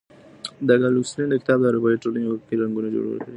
د اګوستين کتاب د اروپايي ټولنو حقوقي رکنونه جوړ کړي دي.